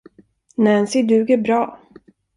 Nancy duger bra.